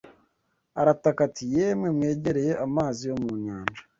arataka ati: 'Yemwe mwegereye Amazi yo mu nyanja,